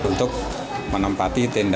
untuk menempati tenda